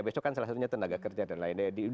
besok kan salah satunya tenaga kerja dan lain lain